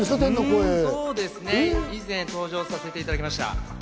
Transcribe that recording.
以前、登場させていただきました。